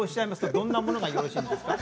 どんなものがよろしいですか。